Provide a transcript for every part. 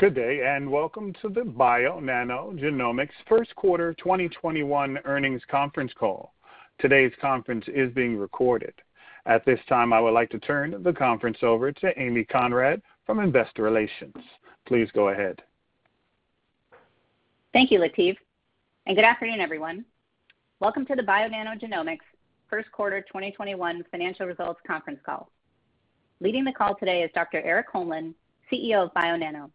Good day, welcome to the Bionano Genomics First Quarter 2021 Earnings Conference Call. Today's conference is being recorded. At this time, I would like to turn the conference over to Amy Conrad from Investor Relations. Please go ahead. Thank you, Lateef, and good afternoon, everyone. Welcome to the Bionano Genomics first quarter 2021 financial results conference call. Leading the call today is Dr. Erik Holmlin, CEO of Bionano.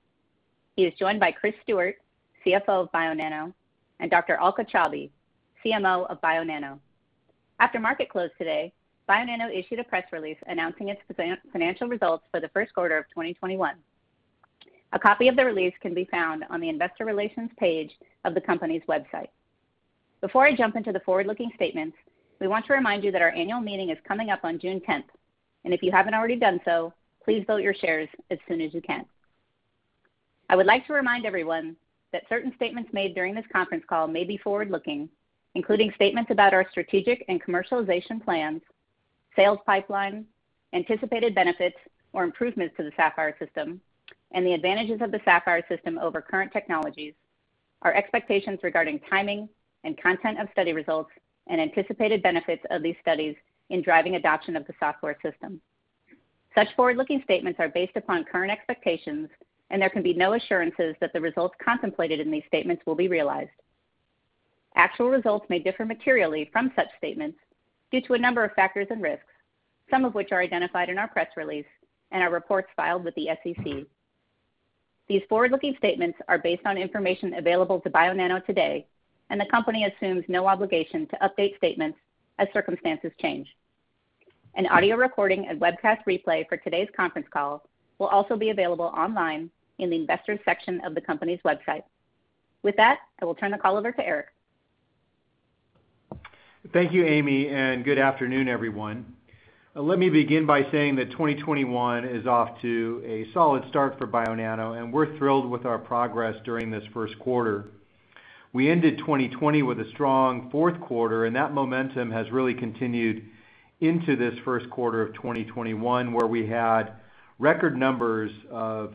He is joined by Chris Stewart, CFO of Bionano, and Dr. Alka Chaubey, CMO of Bionano. After market close today, Bionano issued a press release announcing its financial results for the first quarter of 2021. A copy of the release can be found on the investor relations page of the company's website. Before I jump into the forward-looking statements, we want to remind you that our annual meeting is coming up on June 10th, and if you haven't already done so, please vote your shares as soon as you can. I would like to remind everyone that certain statements made during this conference call may be forward-looking, including statements about our strategic and commercialization plans, sales pipeline, anticipated benefits or improvements to the Saphyr system, and the advantages of the Saphyr system over current technologies, our expectations regarding timing and content of study results, and anticipated benefits of these studies in driving adoption of the Saphyr system. Such forward-looking statements are based upon current expectations, and there can be no assurances that the results contemplated in these statements will be realized. Actual results may differ materially from such statements due to a number of factors and risks, some of which are identified in our press release and our reports filed with the SEC. These forward-looking statements are based on information available to Bionano today, and the company assumes no obligation to update statements as circumstances change. An audio recording and webcast replay for today's conference call will also be available online in the Investors section of the company's website. With that, I will turn the call over to Erik. Thank you, Amy. Good afternoon, everyone. Let me begin by saying that 2021 is off to a solid start for Bionano, and we're thrilled with our progress during this first quarter. We ended 2020 with a strong fourth quarter, and that momentum has really continued into this first quarter of 2021, where we had record numbers of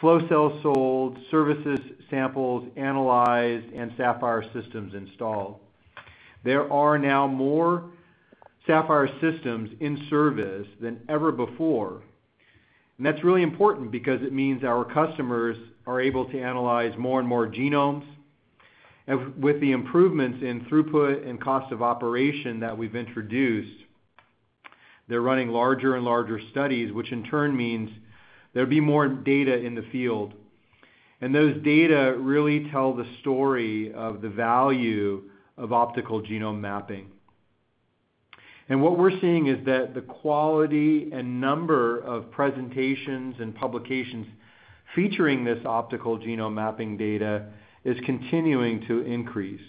flow cells sold, services samples analyzed, and Saphyr systems installed. There are now more Saphyr systems in service than ever before, and that's really important because it means our customers are able to analyze more and more genomes. With the improvements in throughput and cost of operation that we've introduced, they're running larger and larger studies, which in turn means there'll be more data in the field. Those data really tell the story of the value of optical genome mapping. What we're seeing is that the quality and number of presentations and publications featuring this optical genome mapping data is continuing to increase.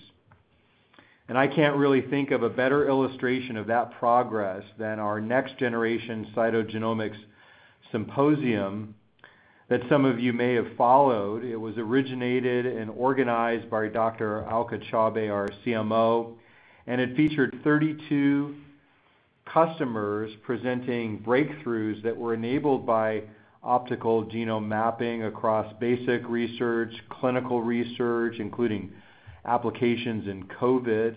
I can't really think of a better illustration of that progress than our Next-Generation Cytogenomics Symposium that some of you may have followed. It was originated and organized by Dr. Alka Chaubey, our CMO, and it featured 32 customers presenting breakthroughs that were enabled by optical genome mapping across basic research, clinical research, including applications in COVID,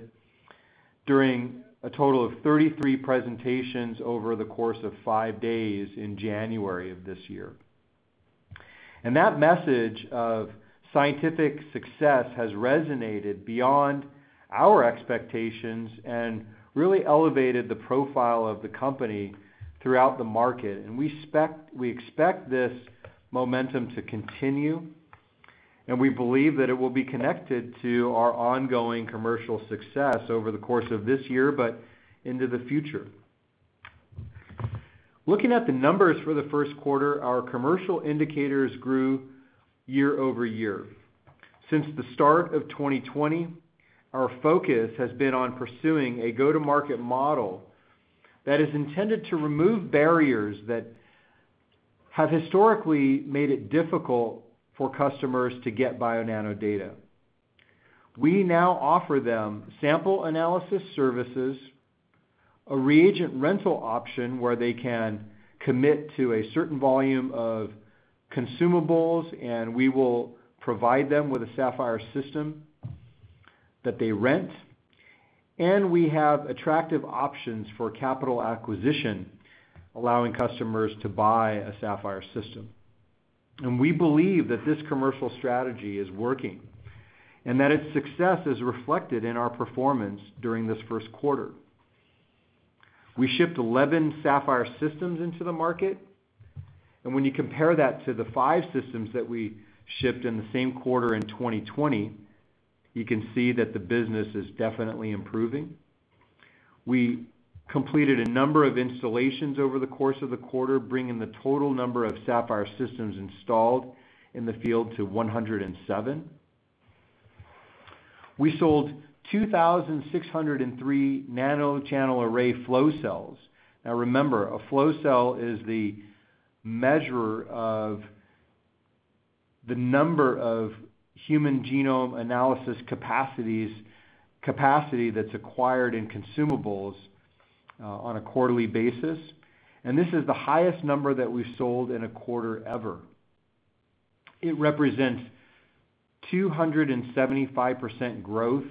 during a total of 33 presentations over the course of five days in January of this year. That message of scientific success has resonated beyond our expectations and really elevated the profile of the company throughout the market. We expect this momentum to continue, and we believe that it will be connected to our ongoing commercial success over the course of this year, but into the future. Looking at the numbers for the first quarter, our commercial indicators grew year-over-year. Since the start of 2020, our focus has been on pursuing a go-to-market model that is intended to remove barriers that have historically made it difficult for customers to get Bionano data. We now offer them sample analysis services, a reagent rental option where they can commit to a certain volume of consumables, and we will provide them with a Saphyr system that they rent. We have attractive options for capital acquisition, allowing customers to buy a Saphyr system. We believe that this commercial strategy is working and that its success is reflected in our performance during this first quarter. We shipped 11 Saphyr systems into the market. When you compare that to the five systems that we shipped in the same quarter in 2020, you can see that the business is definitely improving. We completed a number of installations over the course of the quarter, bringing the total number of Saphyr systems installed in the field to 107. We sold 2,603 nanochannel array flow cells. Remember, a flow cell is the measure of the number of human genome analysis capacity that's acquired in consumables on a quarterly basis. This is the highest number that we've sold in a quarter ever. It represents 275% growth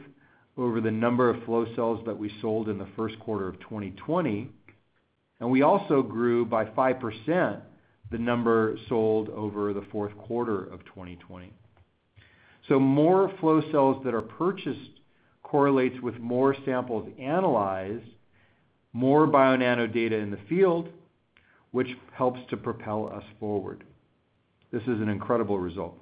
over the number of flow cells that we sold in the first quarter of 2020. We also grew by 5% the number sold over the fourth quarter of 2020. More flow cells that are purchased correlates with more samples analyzed, more Bionano data in the field, which helps to propel us forward. This is an incredible result.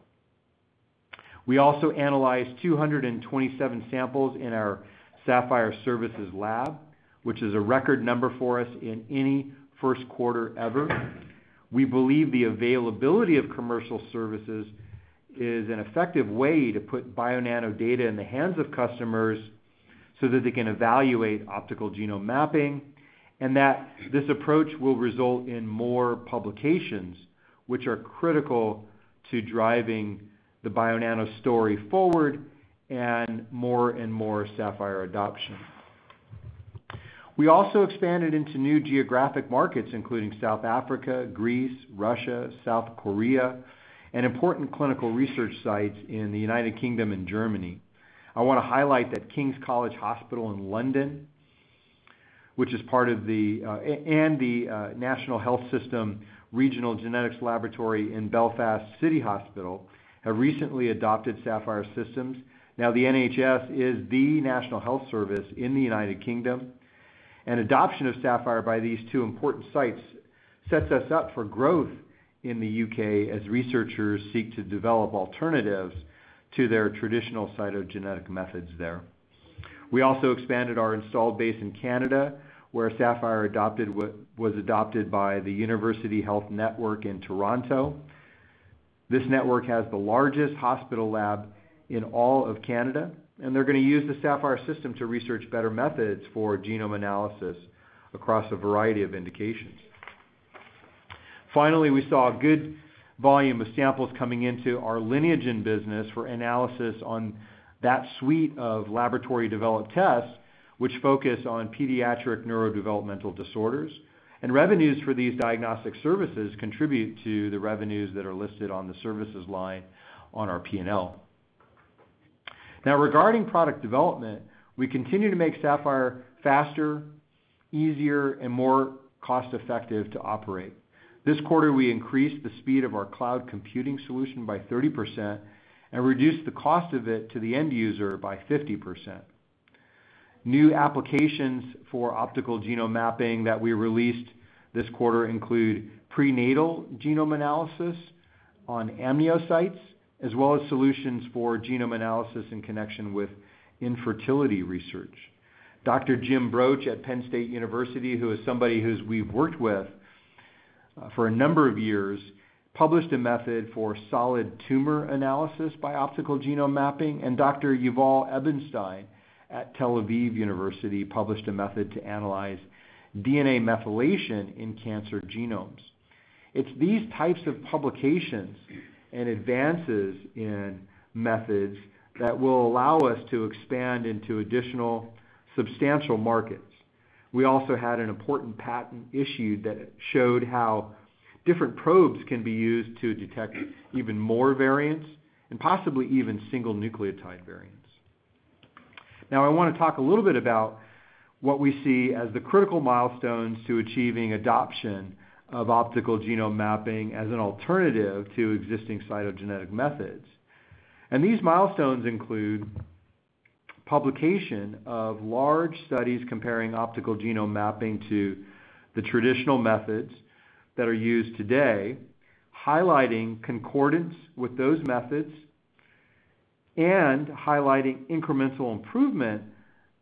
We also analyzed 227 samples in our Saphyr Services lab, which is a record number for us in any first quarter ever. We believe the availability of commercial services is an effective way to put Bionano data in the hands of customers so that they can evaluate optical genome mapping, and that this approach will result in more publications, which are critical to driving the Bionano story forward and more and more Saphyr adoption. We also expanded into new geographic markets, including South Africa, Greece, Russia, South Korea, and important clinical research sites in the U.K. and Germany. I want to highlight that King's College Hospital in London and the Northern Ireland Regional Genetics Service in Belfast City Hospital have recently adopted Saphyr systems. The NHS is the National Health Service in the United Kingdom, and adoption of Saphyr by these two important sites sets us up for growth in the U.K. as researchers seek to develop alternatives to their traditional cytogenetic methods there. We also expanded our installed base in Canada, where Saphyr was adopted by the University Health Network in Toronto. This network has the largest hospital lab in all of Canada, and they're going to use the Saphyr system to research better methods for genome analysis across a variety of indications. Finally, we saw a good volume of samples coming into our Lineagen business for analysis on that suite of laboratory-developed tests, which focus on pediatric neurodevelopmental disorders, and revenues for these diagnostic services contribute to the revenues that are listed on the services line on our P&L. Now, regarding product development, we continue to make Saphyr faster, easier, and more cost-effective to operate. This quarter, we increased the speed of our cloud computing solution by 30% and reduced the cost of it to the end user by 50%. New applications for optical genome mapping that we released this quarter include prenatal genome analysis on amniocytes, as well as solutions for genome analysis in connection with infertility research. Dr. J.R. Broach at Penn State University, who is somebody who we've worked with for a number of years, published a method for solid tumor analysis by optical genome mapping, and Dr. Yuval Ebenstein at Tel Aviv University published a method to analyze DNA methylation in cancer genomes. It's these types of publications and advances in methods that will allow us to expand into additional substantial markets. We also had an important patent issued that showed how different probes can be used to detect even more variants and possibly even single nucleotide variants. I want to talk a little bit about what we see as the critical milestones to achieving adoption of optical genome mapping as an alternative to existing cytogenetic methods. These milestones include publication of large studies comparing optical genome mapping to the traditional methods that are used today, highlighting concordance with those methods, and highlighting incremental improvement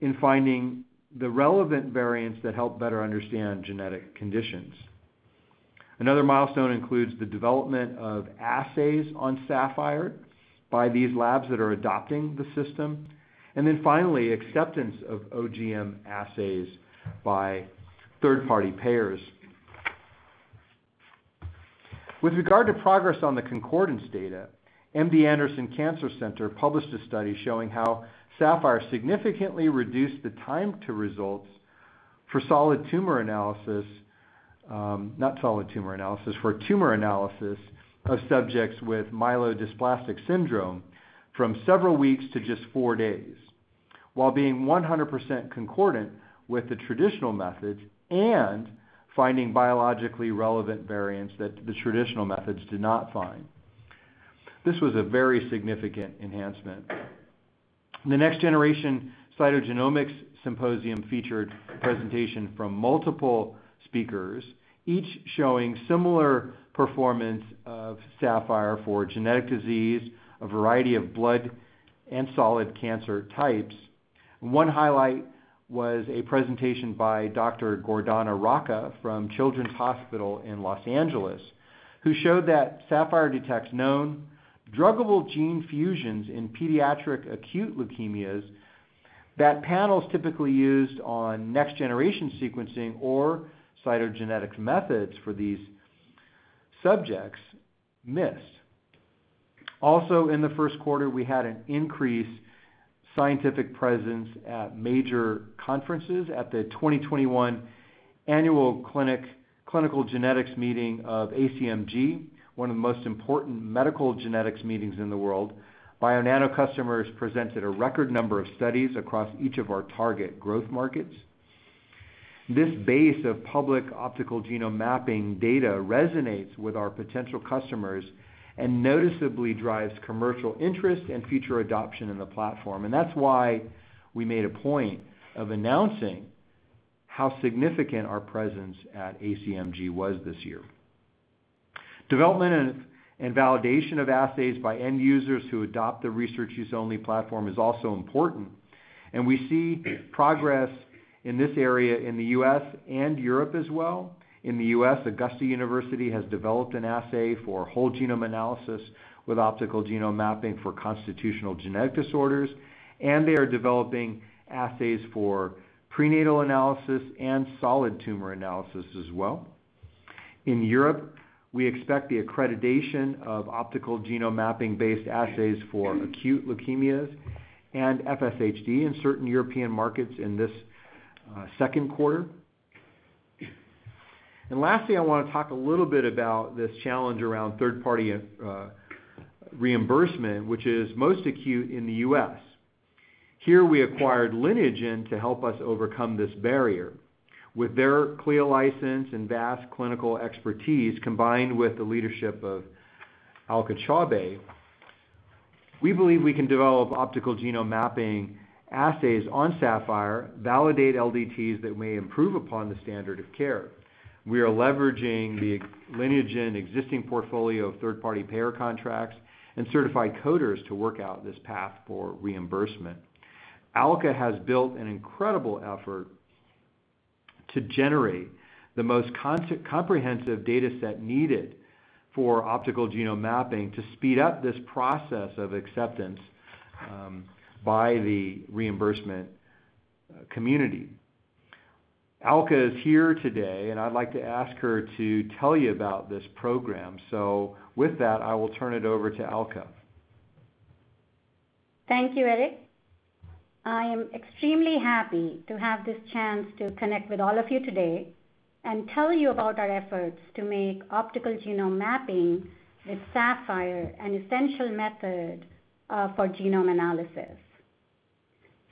in finding the relevant variants that help better understand genetic conditions. Another milestone includes the development of assays on Saphyr by these labs that are adopting the system, and then finally, acceptance of OGM assays by third-party payers. With regard to progress on the concordance data, MD Anderson Cancer Center published a study showing how Saphyr significantly reduced the time to results for tumor analysis of subjects with myelodysplastic syndrome from several weeks to just four days, while being 100% concordant with the traditional methods and finding biologically relevant variants that the traditional methods did not find. This was a very significant enhancement. The Next-Generation Cytogenomics Symposium featured presentation from multiple speakers, each showing similar performance of Saphyr for genetic disease, a variety of blood and solid cancer types. One highlight was a presentation by Dr. Gordana Raca from Children's Hospital Los Angeles, who showed that Saphyr detects known druggable gene fusions in pediatric acute leukemias. That panel is typically used on next-generation sequencing or cytogenetics methods for these subjects missed. In the first quarter, we had an increased scientific presence at major conferences at the 2021 annual clinical genetics meeting of ACMG, one of the most important medical genetics meetings in the world. Bionano customers presented a record number of studies across each of our target growth markets. This base of public optical genome mapping data resonates with our potential customers and noticeably drives commercial interest and future adoption in the platform. That's why we made a point of announcing how significant our presence at ACMG was this year. Development and validation of assays by end users who adopt the research use only platform is also important, and we see progress in this area in the U.S. and Europe as well. In the U.S., Augusta University has developed an assay for whole genome analysis with optical genome mapping for constitutional genetic disorders, and they are developing assays for prenatal analysis and solid tumor analysis as well. In Europe, we expect the accreditation of optical genome mapping-based assays for acute leukemias and FSHD in certain European markets in this second quarter. Lastly, I want to talk a little bit about this challenge around third-party reimbursement, which is most acute in the U.S. Here, we acquired Lineagen to help us overcome this barrier. With their CLIA license and vast clinical expertise, combined with the leadership of Alka Chaubey, we believe we can develop optical genome mapping assays on Saphyr, validate LDTs that may improve upon the standard of care. We are leveraging the Lineagen existing portfolio of third-party payer contracts and certified coders to work out this path for reimbursement. Alka has built an incredible effort to generate the most comprehensive data set needed for optical genome mapping to speed up this process of acceptance by the reimbursement community. Alka is here today, and I'd like to ask her to tell you about this program. With that, I will turn it over to Alka. Thank you, Erik. I am extremely happy to have this chance to connect with all of you today and tell you about our efforts to make optical genome mapping with Saphyr an essential method for genome analysis.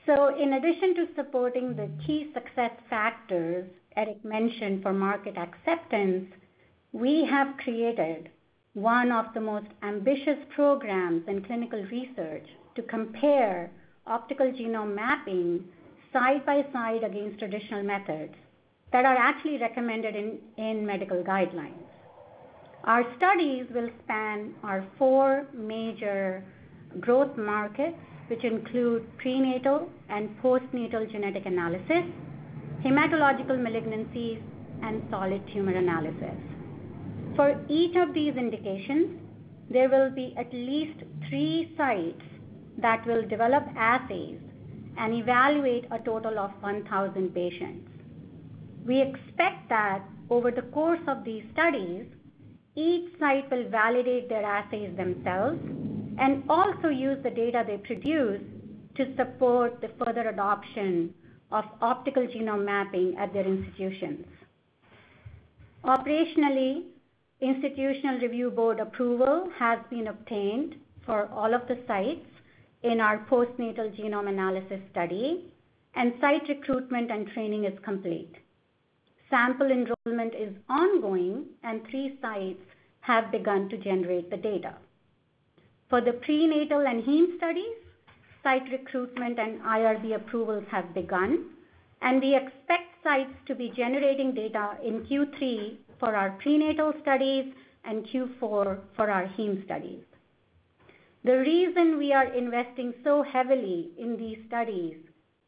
In addition to supporting the key success factors Erik mentioned for market acceptance, we have created one of the most ambitious programs in clinical research to compare optical genome mapping side by side against traditional methods that are actually recommended in medical guidelines. Our studies will span our four major growth markets, which include prenatal and postnatal genetic analysis, hematological malignancies, and solid tumor analysis. For each of these indications, there will be at least three sites that will develop assays and evaluate a total of 1,000 patients. We expect that over the course of these studies, each site will validate their assays themselves and also use the data they produce to support the further adoption of optical genome mapping at their institutions. Operationally, institutional review board approval has been obtained for all of the sites in our postnatal genome analysis study, and site recruitment and training is complete. Sample enrollment is ongoing, and three sites have begun to generate the data. For the prenatal and heme studies, site recruitment and IRB approvals have begun, and we expect sites to be generating data in Q3 for our prenatal studies and Q4 for our heme studies. The reason we are investing so heavily in these studies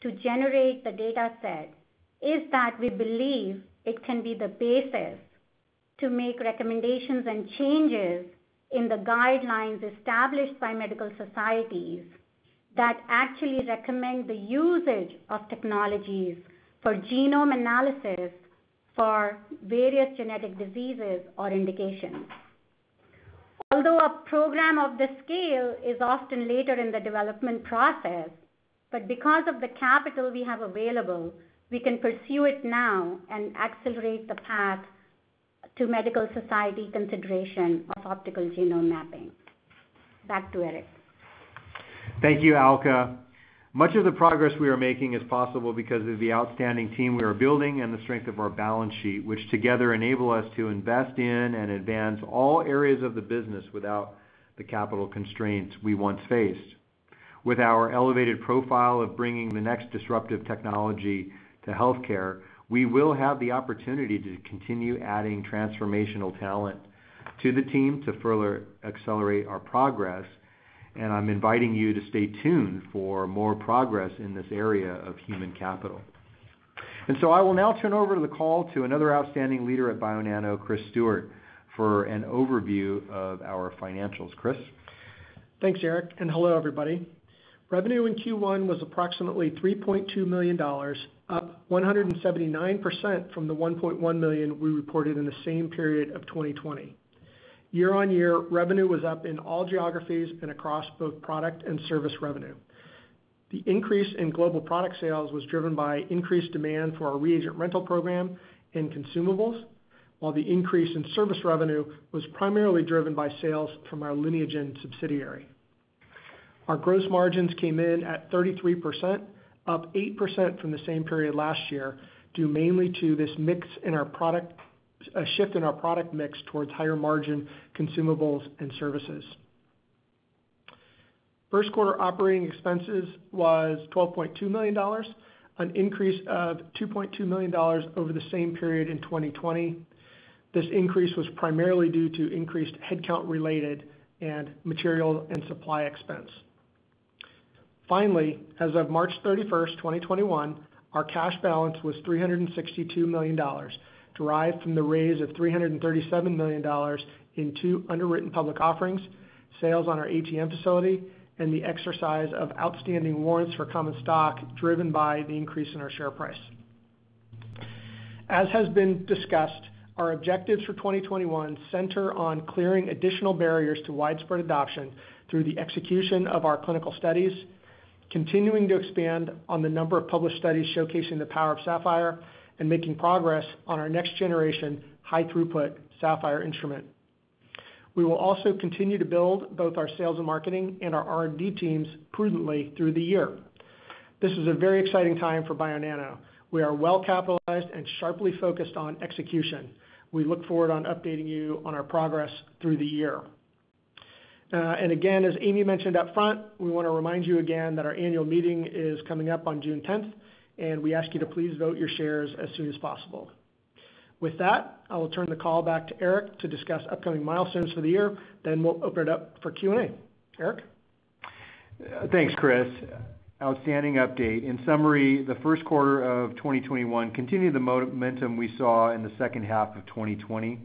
to generate the data set is that we believe it can be the basis to make recommendations and changes in the guidelines established by medical societies that actually recommend the usage of technologies for genome analysis for various genetic diseases or indications. Although a program of this scale is often later in the development process, but because of the capital we have available, we can pursue it now and accelerate the path to medical society consideration of optical genome mapping. Back to Erik. Thank you, Alka. Much of the progress we are making is possible because of the outstanding team we are building and the strength of our balance sheet, which together enable us to invest in and advance all areas of the business without the capital constraints we once faced. With our elevated profile of bringing the next disruptive technology to healthcare, we will have the opportunity to continue adding transformational talent to the team to further accelerate our progress, and I'm inviting you to stay tuned for more progress in this area of human capital. I will now turn over the call to another outstanding leader at Bionano, Chris Stewart, for an overview of our financials. Chris? Thanks, Erik. Hello, everybody. Revenue in Q1 was approximately $3.2 million, up 179% from the $1.1 million we reported in the same period of 2020. Year-over-year, revenue was up in all geographies and across both product and service revenue. The increase in global product sales was driven by increased demand for our reagent rental program and consumables, while the increase in service revenue was primarily driven by sales from our Lineagen subsidiary. Our gross margins came in at 33%, up 8% from the same period last year, due mainly to this shift in our product mix towards higher margin consumables and services. First quarter operating expenses was $12.2 million, an increase of $2.2 million over the same period in 2020. This increase was primarily due to increased headcount related and material and supply expense. Finally, as of March 31st, 2021, our cash balance was $362 million, derived from the raise of $337 million in two underwritten public offerings, sales on our ATM facility, and the exercise of outstanding warrants for common stock, driven by the increase in our share price. As has been discussed, our objectives for 2021 center on clearing additional barriers to widespread adoption through the execution of our clinical studies, continuing to expand on the number of published studies showcasing the power of Saphyr, and making progress on our next generation high throughput Saphyr instrument. We will also continue to build both our sales and marketing and our R&D teams prudently through the year. This is a very exciting time for Bionano. We are well-capitalized and sharply focused on execution. We look forward on updating you on our progress through the year. Again, as Amy mentioned up front, we want to remind you again that our annual meeting is coming up on June 10th, and we ask you to please vote your shares as soon as possible. With that, I will turn the call back to Erik to discuss upcoming milestones for the year, then we'll open it up for Q&A. Erik? Thanks, Chris. Outstanding update. In summary, the first quarter of 2021 continued the momentum we saw in the second half of 2020.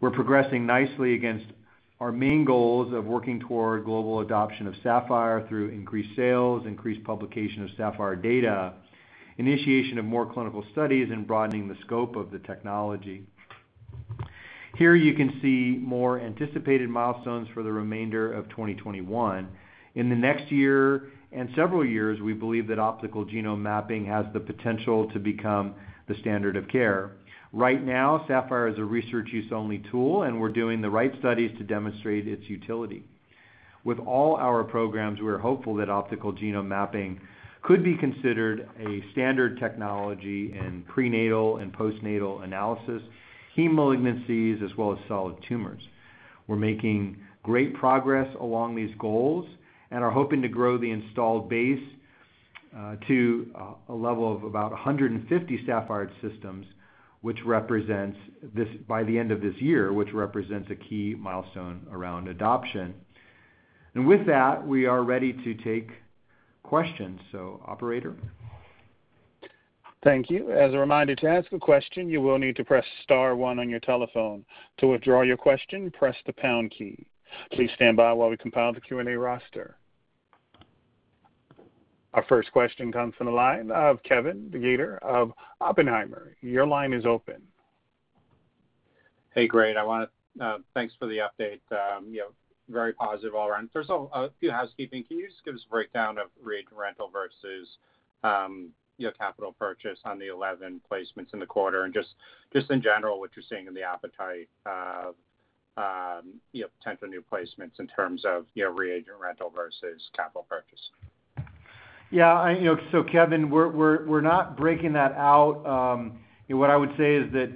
We're progressing nicely against our main goals of working toward global adoption of Saphyr through increased sales, increased publication of Saphyr data, initiation of more clinical studies, and broadening the scope of the technology. Here you can see more anticipated milestones for the remainder of 2021. In the next year and several years, we believe that optical genome mapping has the potential to become the standard of care. Right now, Saphyr is a research use only tool, and we're doing the right studies to demonstrate its utility. With all our programs, we're hopeful that optical genome mapping could be considered a standard technology in prenatal and postnatal analysis, heme malignancies, as well as solid tumors. We're making great progress along these goals and are hoping to grow the installed base to a level of about 150 Saphyr systems, by the end of this year, which represents a key milestone around adoption. With that, we are ready to take questions. Operator? Thank you. As a reminder, to ask a question, you will need to press star one on your telephone. To withdraw your question, press the pound key. Please stand by while we compile the Q&A roster. Our first question comes from the line of Kevin DeGeeter of Oppenheimer. Your line is open. Hey, great. Thanks for the update. Very positive all around. First off, a few housekeeping. Can you just give us a breakdown of reagent rental versus your capital purchase on the 11 placements in the quarter, and just in general, what you're seeing in the appetite of potential new placements in terms of reagent rental versus capital purchase? Kevin, we're not breaking that out. What I would say is that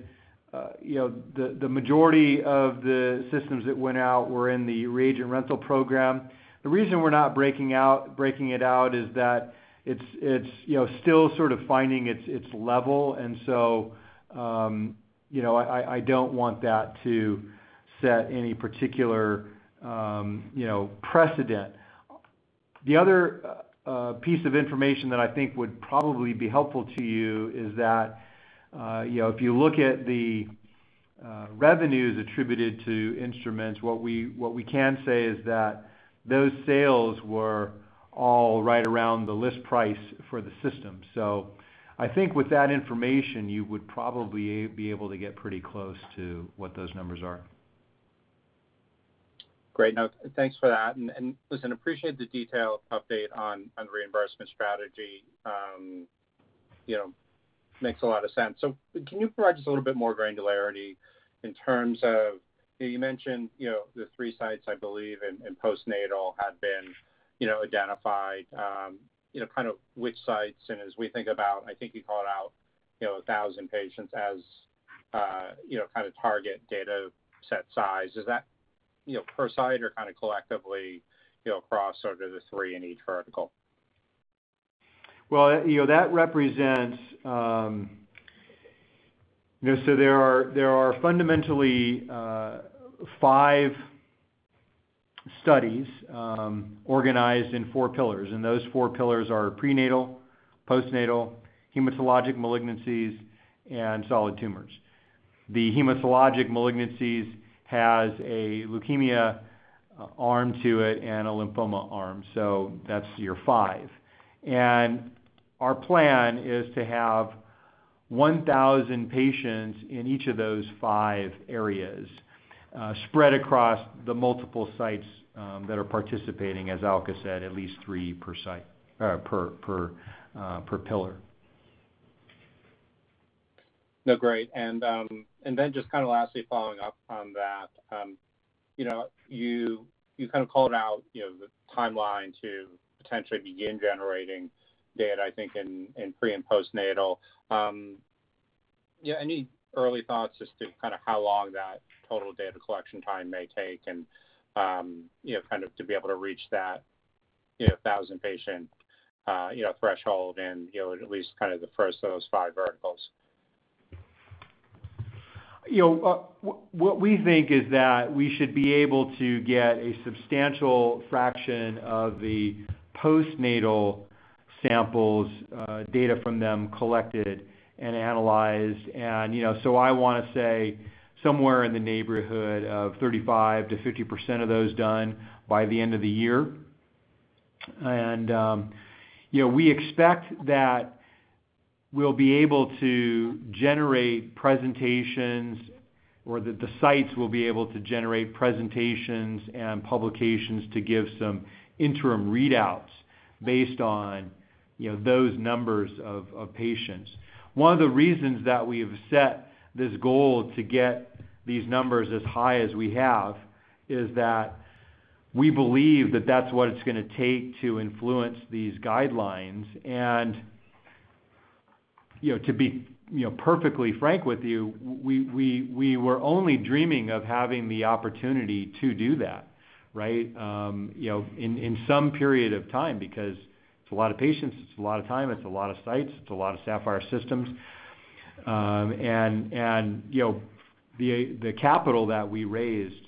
the majority of the systems that went out were in the reagent rental program. The reason we're not breaking it out is that it's still sort of finding its level. I don't want that to set any particular precedent. The other piece of information that I think would probably be helpful to you is that if you look at the revenues attributed to instruments, what we can say is that those sales were all right around the list price for the system. I think with that information, you would probably be able to get pretty close to what those numbers are. Great. Thanks for that. Listen, appreciate the detailed update on reimbursement strategy. Makes a lot of sense. Can you provide just a little bit more granularity in terms of, you mentioned the three sites, I believe, in postnatal had been identified, kind of which sites, and as we think about, I think you called out 1,000 patients as kind of target data set size. Is that per site or kind of collectively across sort of the three in each vertical? Well, there are fundamentally five studies organized in four pillars, and those four pillars are prenatal, postnatal, hematological malignancies, and solid tumors. The hematological malignancies has a leukemia arm to it and a lymphoma arm, that's your five. Our plan is to have 1,000 patients in each of those five areas, spread across the multiple sites that are participating, as Alka said, at least three per site per pillar. No, great. Just lastly, following up on that, you kind of called out the timeline to potentially begin generating data, I think, in pre- and postnatal. Any early thoughts as to how long that total data collection time may take and to be able to reach that 1,000-patient threshold in at least the first of those five verticals? What we think is that we should be able to get a substantial fraction of the postnatal samples data from them collected and analyzed, so I want to say somewhere in the neighborhood of 35%-50% of those done by the end of the year. We expect that we'll be able to generate presentations, or that the sites will be able to generate presentations and publications to give some interim readouts based on those numbers of patients. One of the reasons that we've set this goal to get these numbers as high as we have is that we believe that that's what it's going to take to influence these guidelines. To be perfectly frank with you, we were only dreaming of having the opportunity to do that, right, in some period of time, because it's a lot of patients, it's a lot of time, it's a lot of sites, it's a lot of Saphyr systems. The capital that we raised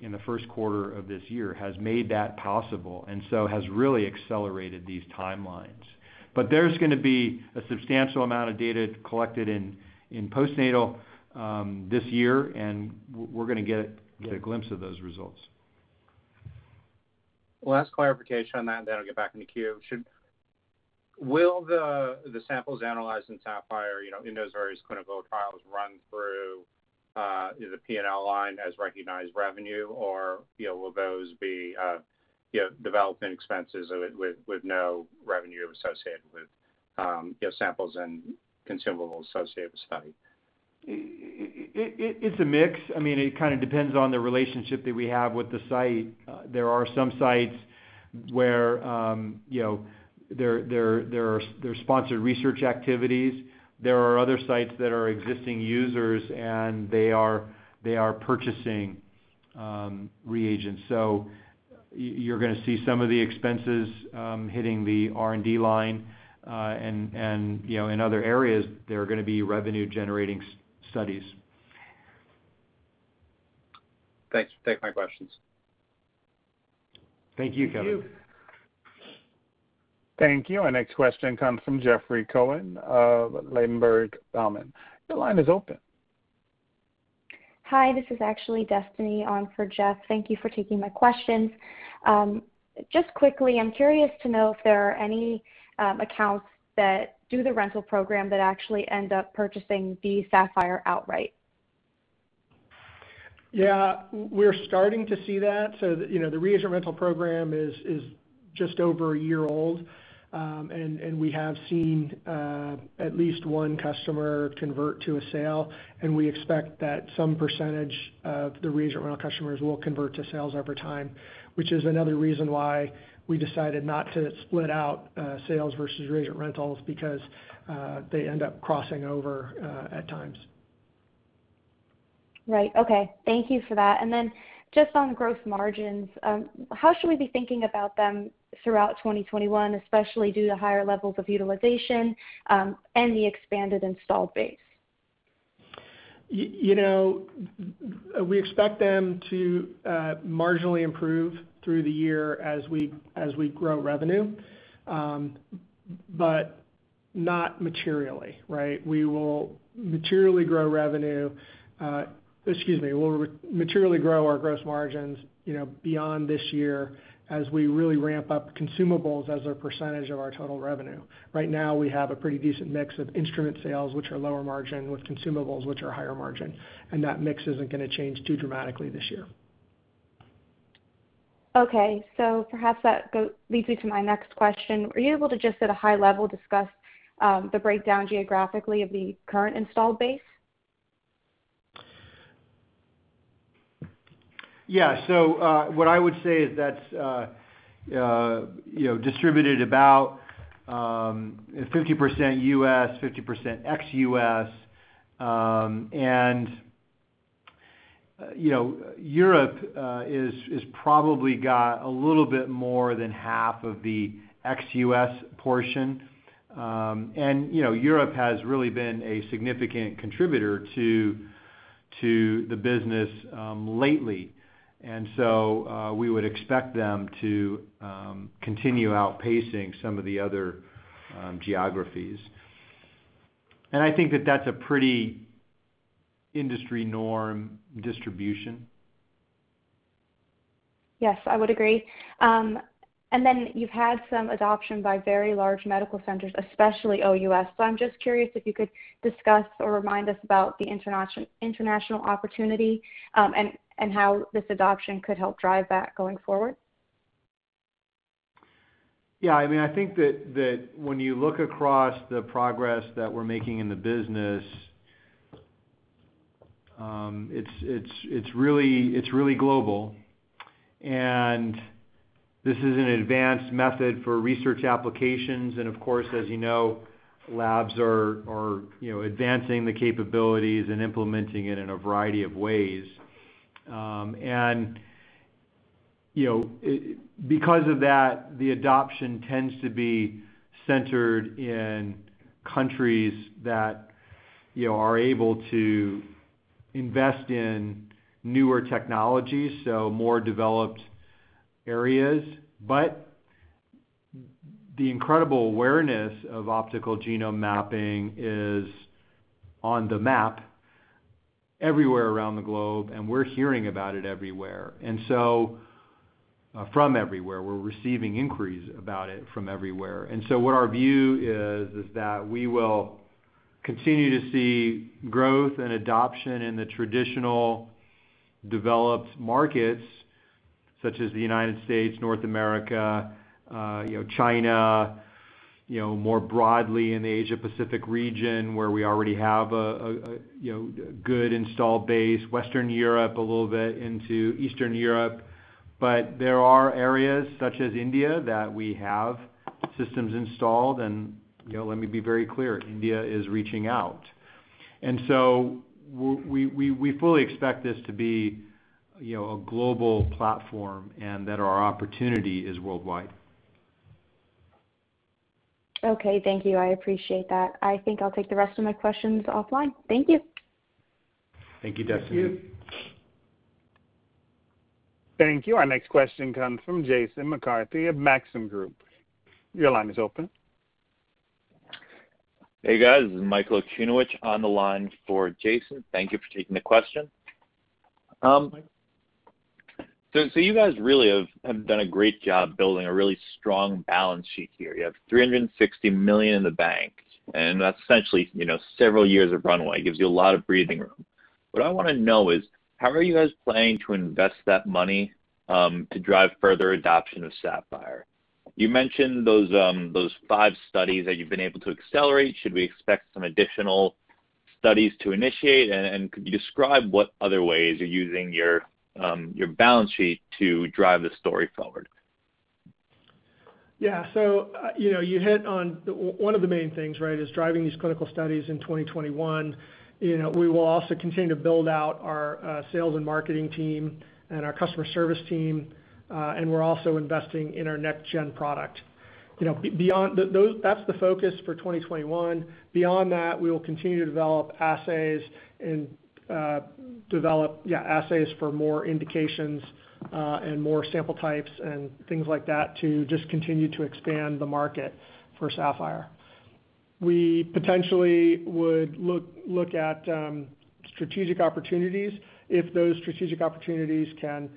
in the first quarter of this year has made that possible and so has really accelerated these timelines. There's going to be a substantial amount of data collected in postnatal this year, and we're going to get a glimpse of those results. Last clarification on that, then I'll get back in the queue. Will the samples analyzed in Saphyr, in those various clinical trials, run through the P&L line as recognized revenue, or will those be development expenses with no revenue associated with samples and consumables associated with the study? It's a mix. It kind of depends on the relationship that we have with the site. There are some sites where there are sponsored research activities. There are other sites that are existing users, and they are purchasing reagents. You're going to see some of the expenses hitting the R&D line, and in other areas, there are going to be revenue-generating studies. Thanks. That's my questions. Thank you, Kevin. Thank you. Thank you. Our next question comes from Jeffrey Cohen of Ladenburg Thalmann. Your line is open. Hi, this is actually Destiny on for Jeff. Thank you for taking my questions. Just quickly, I'm curious to know if there are any accounts that do the rental program that actually end up purchasing the Saphyr outright. Yeah. We're starting to see that. The reagent rental program is just over a year old, and we have seen at least one customer convert to a sale, and we expect that some percentage of the reagent rental customers will convert to sales over time, which is another reason why we decided not to split out sales versus reagent rentals, because they end up crossing over at times. Right. Okay. Thank you for that. Just on gross margins, how should we be thinking about them throughout 2021, especially due to higher levels of utilization and the expanded installed base? We expect them to marginally improve through the year as we grow revenue, but not materially, right? We will materially grow revenue. Excuse me. We'll materially grow our gross margins beyond this year as we really ramp up consumables as a percentage of our total revenue. Right now, we have a pretty decent mix of instrument sales, which are lower margin, with consumables, which are higher margin, and that mix isn't going to change too dramatically this year. Okay. Perhaps that leads me to my next question. Were you able to, just at a high level, discuss the breakdown geographically of the current installed base? Yeah. What I would say is that's distributed about 50% U.S., 50% ex-U.S., and Europe has probably got a little bit more than half of the ex-U.S. portion. Europe has really been a significant contributor to the business lately. We would expect them to continue outpacing some of the other geographies. I think that that's a pretty industry norm distribution. Yes, I would agree. You've had some adoption by very large medical centers, especially OUS. I'm just curious if you could discuss or remind us about the international opportunity, and how this adoption could help drive that going forward. Yeah, I think that when you look across the progress that we're making in the business, it's really global. This is an advanced method for research applications, and of course, as you know, labs are advancing the capabilities and implementing it in a variety of ways. Because of that, the adoption tends to be centered in countries that are able to invest in newer technologies, so more developed areas. The incredible awareness of optical genome mapping is on the map everywhere around the globe, and we're hearing about it everywhere. So from everywhere, we're receiving inquiries about it from everywhere. What our view is that we will continue to see growth and adoption in the traditional developed markets such as the United States, North America, China, more broadly in the Asia Pacific region, where we already have a good install base, Western Europe, a little bit into Eastern Europe. There are areas such as India that we have systems installed, and let me be very clear, India is reaching out. We fully expect this to be a global platform and that our opportunity is worldwide. Okay, thank you. I appreciate that. I think I'll take the rest of my questions offline. Thank you. Thank you, Destiny. Thank you. Thank you. Our next question comes from Jason McCarthy of Maxim Group. Your line is open. Hey, guys. This is Michael Okunewitch on the line for Jason. Thank you for taking the question. You guys really have done a great job building a really strong balance sheet here. You have $360 million in the bank, and that's essentially several years of runway. It gives you a lot of breathing room. What I want to know is, how are you guys planning to invest that money, to drive further adoption of Saphyr? You mentioned those five studies that you've been able to accelerate. Should we expect some additional studies to initiate? Could you describe what other ways you're using your balance sheet to drive the story forward? Yeah. You hit on one of the main things, is driving these clinical studies in 2021. We will also continue to build out our sales and marketing team and our customer service team. We're also investing in our next gen product. That's the focus for 2021. Beyond that, we will continue to develop assays and develop assays for more indications, and more sample types and things like that to just continue to expand the market for Saphyr. We potentially would look at strategic opportunities if those strategic opportunities can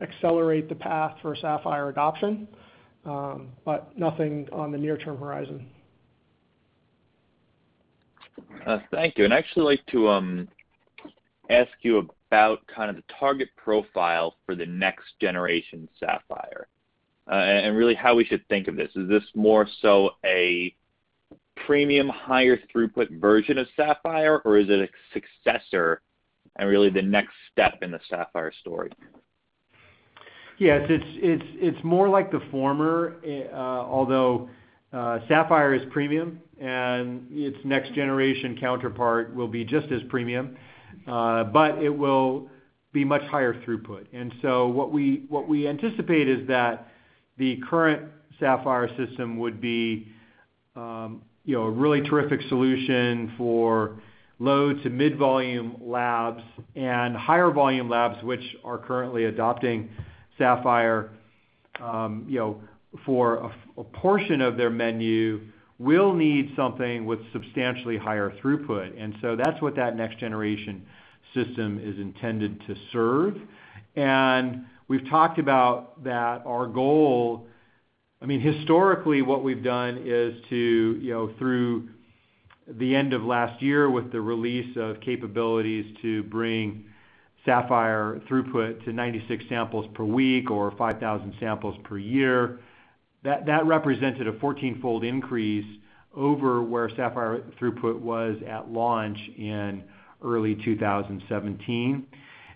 accelerate the path for Saphyr adoption. Nothing on the near term horizon. Thank you. I'd actually like to ask you about kind of the target profile for the next generation Saphyr, and really how we should think of this. Is this more so a premium higher throughput version of Saphyr, or is it a successor and really the next step in the Saphyr story? Yes. It's more like the former, although, Saphyr is premium and its next generation counterpart will be just as premium. It will be much higher throughput. What we anticipate is that the current Saphyr system would be a really terrific solution for low to mid volume labs and higher volume labs, which are currently adopting Saphyr, for a portion of their menu, will need something with substantially higher throughput. That's what that next generation system is intended to serve. We've talked about that our goal historically, what we've done is to, through the end of last year, with the release of capabilities to bring Saphyr throughput to 96 samples per week or 5,000 samples per year, that represented a 14-fold increase over where Saphyr throughput was at launch in early 2017.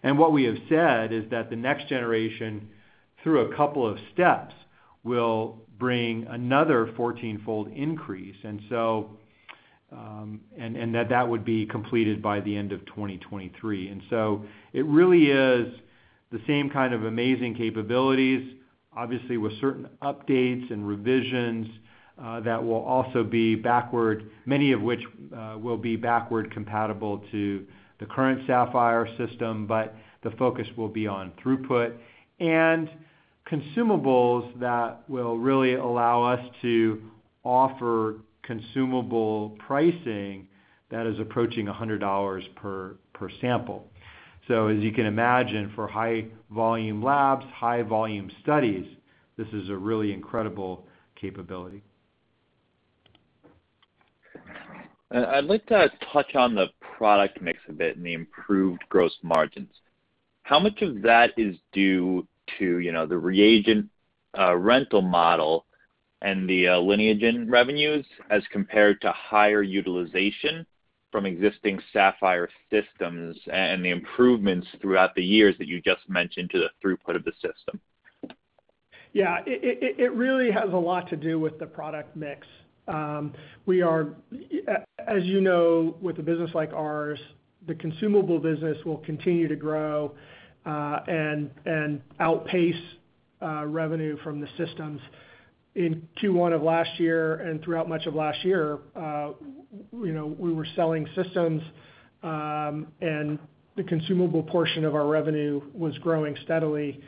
What we have said is that the next generation, through a couple of steps, will bring another 14-fold increase. That would be completed by the end of 2023. It really is the same kind of amazing capabilities, obviously with certain updates and revisions that will also be backward, many of which will be backward compatible to the current Saphyr system, but the focus will be on throughput and consumables that will really allow us to offer consumable pricing that is approaching $100 per sample. As you can imagine, for high volume labs, high volume studies, this is a really incredible capability. I'd like to touch on the product mix a bit and the improved gross margins. How much of that is due to the reagent rental model and the Lineagen revenues as compared to higher utilization from existing Saphyr systems and the improvements throughout the years that you just mentioned to the throughput of the system? Yeah, it really has a lot to do with the product mix. As you know, with a business like ours, the consumable business will continue to grow and outpace revenue from the systems. In Q1 of last year and throughout much of last year, we were selling systems, and the consumable portion of our revenue was growing steadily.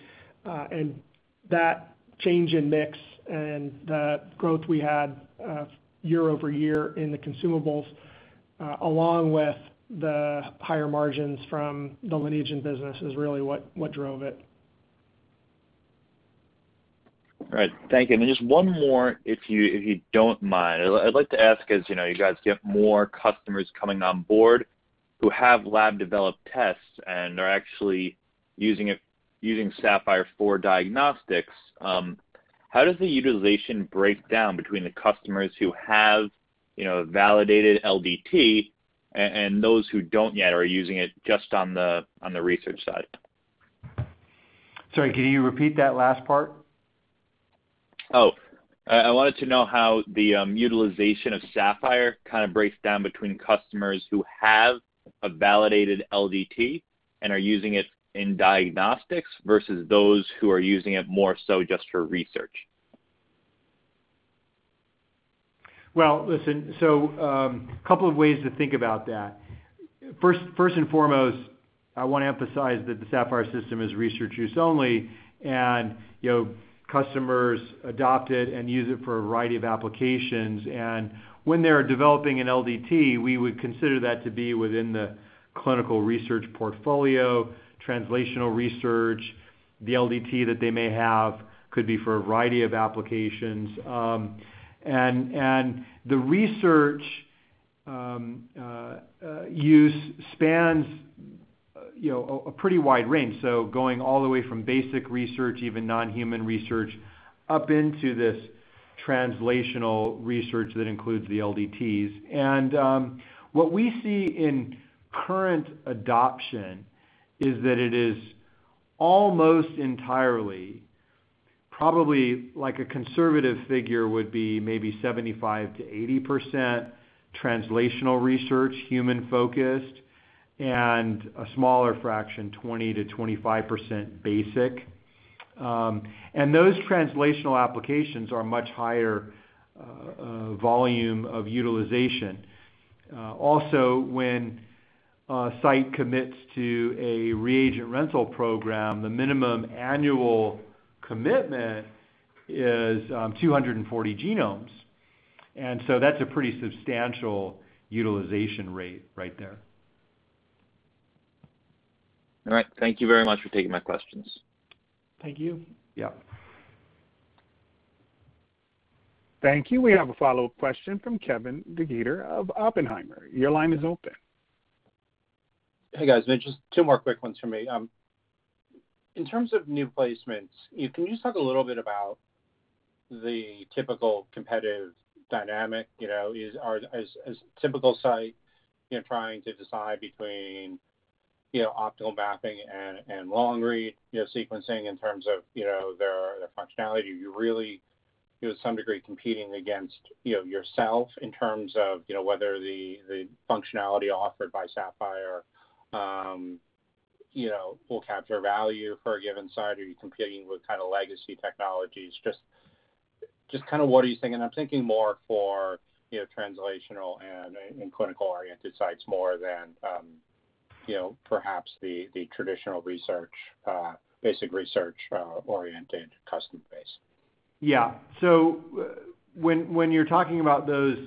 That change in mix and the growth we had year-over-year in the consumables, along with the higher margins from the Lineagen business, is really what drove it. All right. Thank you. Just one more, if you don't mind. I'd like to ask, as you guys get more customers coming on board who have lab-developed tests and are actually using Saphyr for diagnostics, how does the utilization break down between the customers who have a validated LDT and those who don't yet are using it just on the research side? Sorry, can you repeat that last part? I wanted to know how the utilization of Saphyr kind of breaks down between customers who have a validated LDT and are using it in diagnostics versus those who are using it more so just for research? Couple of ways to think about that. First and foremost, I want to emphasize that the Saphyr system is research use only, and customers adopt it and use it for a variety of applications. When they're developing an LDT, we would consider that to be within the clinical research portfolio, translational research. The LDT that they may have could be for a variety of applications. The research use spans a pretty wide range, so going all the way from basic research, even non-human research, up into this translational research that includes the LDTs. What we see in current adoption is that it is almost entirely, probably a conservative figure would be maybe 75%-80% translational research, human-focused, and a smaller fraction, 20%-25% basic. Those translational applications are much higher volume of utilization. When a site commits to a reagent rental program, the minimum annual commitment is 240 genomes, and so that's a pretty substantial utilization rate right there. All right. Thank you very much for taking my questions. Thank you. Yeah. Thank you. We have a follow-up question from Kevin DeGeeter of Oppenheimer. Your line is open. Hey, guys. Just two more quick ones from me. In terms of new placements, can you just talk a little bit about the typical competitive dynamic? Is typical site trying to decide between optical mapping and long-read sequencing in terms of their functionality? Are you really, to some degree, competing against yourself in terms of whether the functionality offered by Saphyr will capture value for a given site, or are you competing with kind of legacy technologies? Just kind of what are you thinking? I'm thinking more for translational and clinical-oriented sites more than perhaps the traditional basic research-oriented customer base. Yeah. When you're talking about those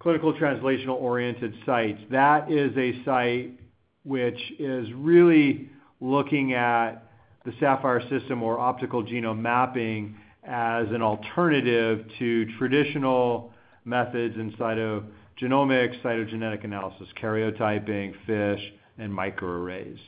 clinical translational-oriented sites, that is a site which is really looking at the Saphyr system or optical genome mapping as an alternative to traditional methods in cytogenomics, cytogenetic analysis, karyotyping, FISH, and microarrays.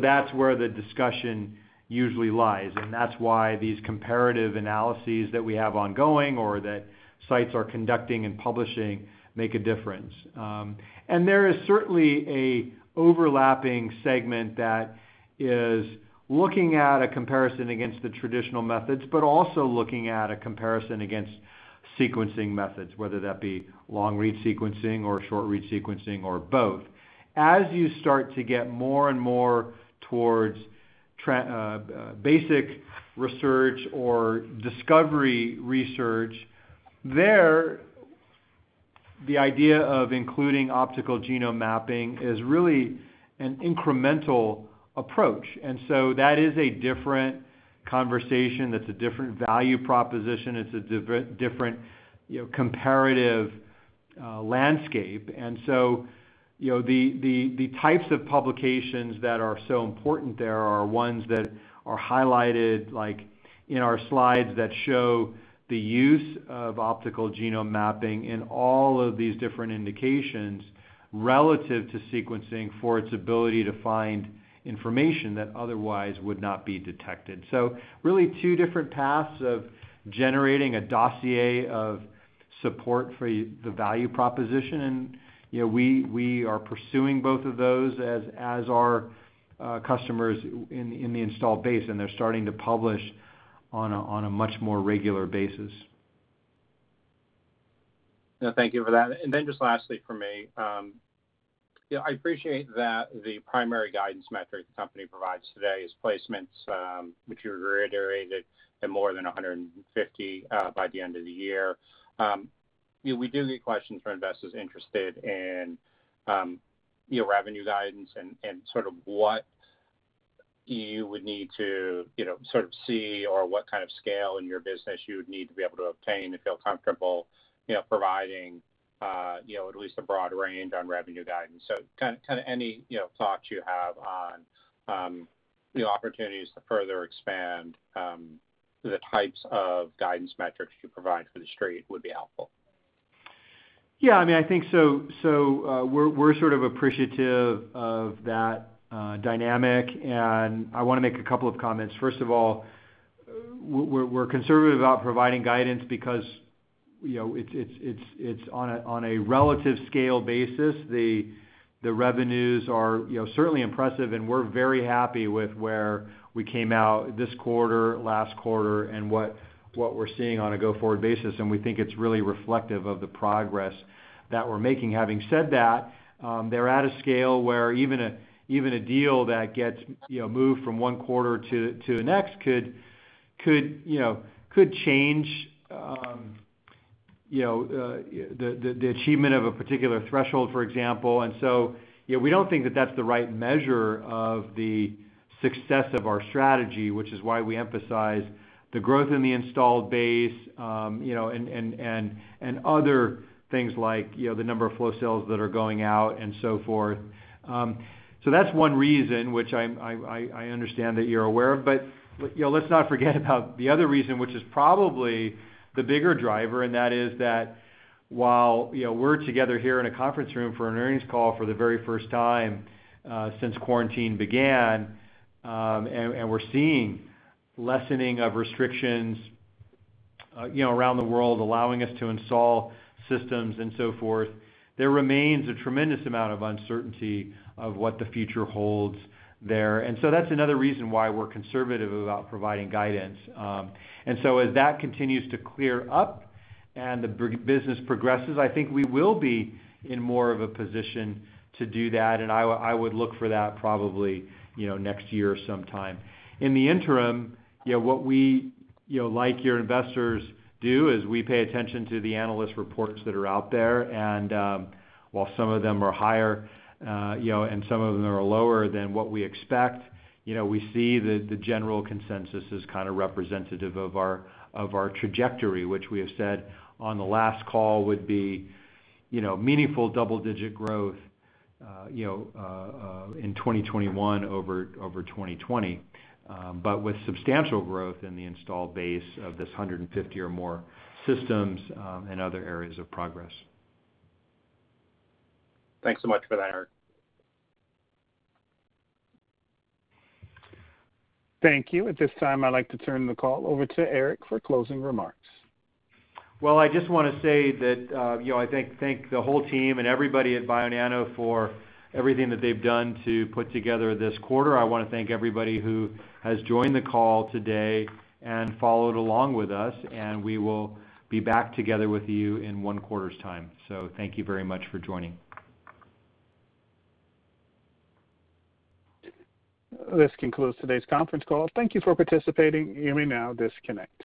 That's where the discussion usually lies, and that's why these comparative analyses that we have ongoing or that sites are conducting and publishing make a difference. There is certainly an overlapping segment that is looking at a comparison against the traditional methods, but also looking at a comparison against sequencing methods, whether that be long-read sequencing or short-read sequencing or both. As you start to get more and more towards basic research or discovery research, there, the idea of including optical genome mapping is really an incremental approach. That is a different conversation, that's a different value proposition, it's a different comparative landscape. The types of publications that are so important there are ones that are highlighted, like in our slides that show the use of optical genome mapping in all of these different indications relative to sequencing for its ability to find information that otherwise would not be detected. Really two different paths of generating a dossier of support for the value proposition, and we are pursuing both of those, as are customers in the installed base, and they're starting to publish on a much more regular basis. No, thank you for that. Just lastly from me, I appreciate that the primary guidance metric the company provides today is placements, which you reiterated in more than 150 by the end of the year. We do get questions from investors interested in your revenue guidance and sort of what you would need to sort of see or what kind of scale in your business you would need to be able to obtain to feel comfortable providing at least a broad range on revenue guidance. Kind of any thoughts you have on the opportunities to further expand the types of guidance metrics you provide for the street would be helpful. Yeah. I think so we're sort of appreciative of that dynamic, and I want to make a couple of comments. First of all, we're conservative about providing guidance because it's on a relative scale basis. The revenues are certainly impressive, and we're very happy with where we came out this quarter, last quarter, and what we're seeing on a go-forward basis, and we think it's really reflective of the progress that we're making. Having said that, they're at a scale where even a deal that gets moved from one quarter to the next could change the achievement of a particular threshold, for example. So, we don't think that that's the right measure of the success of our strategy, which is why we emphasize the growth in the installed base, and other things like the number of flow cells that are going out and so forth. That's one reason, which I understand that you're aware of. Let's not forget about the other reason, which is probably the bigger driver, and that is that while we're together here in a conference room for an earnings call for the very first time since quarantine began, and we're seeing lessening of restrictions around the world allowing us to install systems and so forth, there remains a tremendous amount of uncertainty of what the future holds there. That's another reason why we're conservative about providing guidance. As that continues to clear up and the business progresses, I think we will be in more of a position to do that, and I would look for that probably next year sometime. In the interim, what we, like your investors do, is we pay attention to the analyst reports that are out there. While some of them are higher and some of them are lower than what we expect, we see the general consensus as kind of representative of our trajectory, which we have said on the last call would be meaningful double-digit growth in 2021 over 2020, but with substantial growth in the installed base of this 150 or more systems and other areas of progress. Thanks so much for that, Erik. Thank you. At this time, I'd like to turn the call over to Erik for closing remarks. I just want to say that I thank the whole team and everybody at Bionano for everything that they've done to put together this quarter. I want to thank everybody who has joined the call today and followed along with us, and we will be back together with you in one quarter's time. Thank you very much for joining. This concludes today's conference call. Thank you for participating. You may now disconnect.